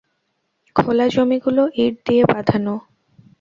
খোলা জমিগুলো ইট দিয়ে বাঁধানো।